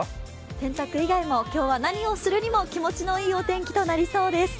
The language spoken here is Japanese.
洗濯以外も今日は何をするにも気持ちのいいお天気となりそうです。